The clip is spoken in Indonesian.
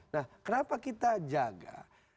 nah kenapa kita jaga